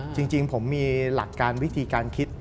จริงผมมีหลักการวิธีการคิด